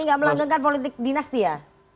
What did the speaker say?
ini gak melanggungkan politik dinasti ya